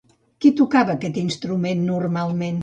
Qui tocava aquest instrument normalment?